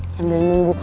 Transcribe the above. sambil nunggu kue